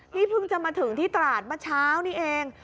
นี่เพิ่งจะมาถึงที่ตราดเมื่อเช้านี้เอง